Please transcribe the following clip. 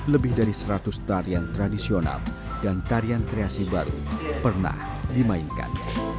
lebih dari seratus tarian tradisional dan tarian kreasi baru pernah dimainkan